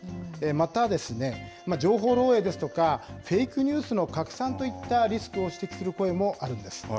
またですね、情報漏えいですとか、フェイクニュースの拡散といったリスクを指摘する声もあるんです。